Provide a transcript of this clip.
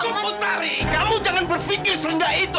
tunggu otari kamu jangan berpikir serendah itu